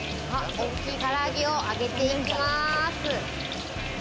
大きいから揚げを上げていきます。